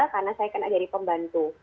karena saya kena dari pembantu